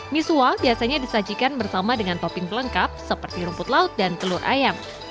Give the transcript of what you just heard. misua biasanya disajikan bersama dengan topping pelengkap seperti rumput laut dan telur ayam